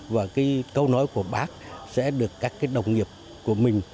và cái câu nói của bác sẽ được các cái đồng nghiệp của mình